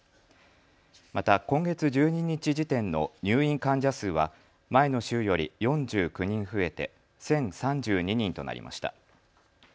また今月１２日時点の入院患者数は前の週より４９人増えて１０３２人となりました。